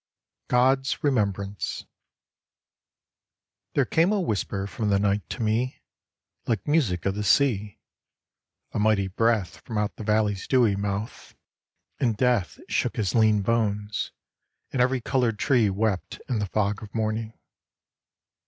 GOD'S REMEMBRANCE There came a whisper from the night to me Like music of the sea, a mighty breath From out the valley's dewy mouth, and Death Shook his lean bones, and every coloured tree Wept in the fog of morning.